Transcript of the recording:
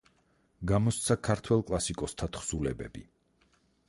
გამოსცა ქართველ კლასიკოსთა თხზულებები.